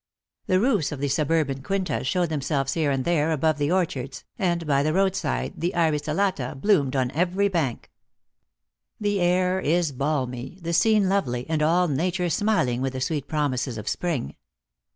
The roofs of the suburban quintas showed themselves here and there above the orchards, and by the roadside the iris alata bloomed on every bank. The air is balmy, the scene lovely, and all nature smiling with the sweet promises of Spring.